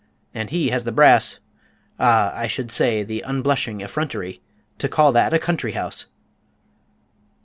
And he has the brass ah, I should say, the unblushing effrontery to call that a country house!"